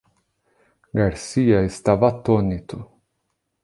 Garcia estava atônito.